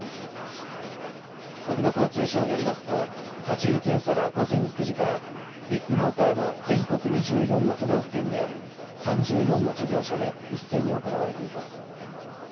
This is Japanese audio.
国土交通省によりますと立ち入り検査は午前９時からビッグモーターの全国２４の都道府県にある３４の事業所で一斉に行われています。